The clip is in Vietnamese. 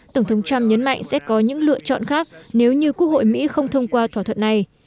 tổng thống trump nhấn mạnh sẽ có những lựa chọn khác nếu như quốc hội mỹ không thông qua thỏa thuận này